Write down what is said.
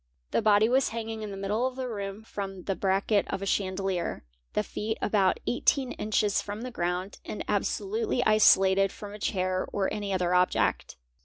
The body was hanging in the middle of the room from the bracket of a chandelier, the feet about 18 inches from the ground and absolutely isolated from a chair or any other object.